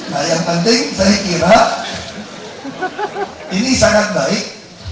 nah yang penting saya kira ini sangat baik